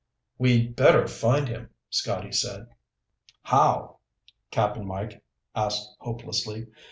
"We'd better find him," Scotty said. "How?" Cap'n Mike asked hopelessly.